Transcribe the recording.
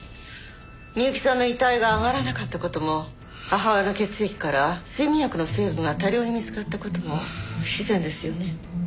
美雪さんの遺体が上がらなかった事も母親の血液から睡眠薬の成分が多量に見つかった事も不自然ですよね。